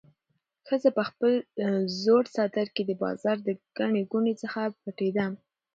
ښځه په خپل زوړ څادر کې د بازار د ګڼې ګوڼې څخه پټېده.